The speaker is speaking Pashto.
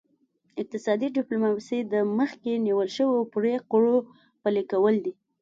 اقتصادي ډیپلوماسي د مخکې نیول شوو پریکړو پلي کول دي